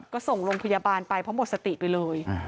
ก็ส่งโรงพยาบาลไปเพราะหมดสติไปเลย